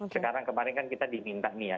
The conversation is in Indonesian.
sekarang kemarin kan kita diminta nih ya